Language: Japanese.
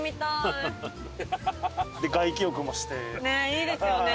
いいですよね